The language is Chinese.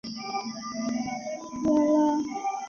该频道在乌克兰及摩尔多瓦被禁止收看。